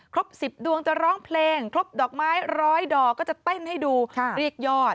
ครบ๑๐ดวงจะร้องเพลงครบดอกไม้ร้อยดอกก็จะเต้นให้ดูเรียกยอด